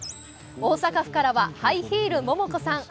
大阪府からはハイヒール・モモコさん。